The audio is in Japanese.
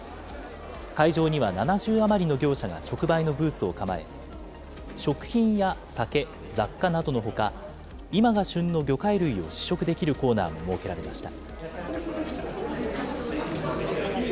会場には７０余りの業者が直売のブースを構え、食品や酒、雑貨などのほか、今が旬の魚介類を試食できるコーナーも設けられました。